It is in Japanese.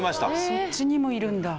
そっちにもいるんだ。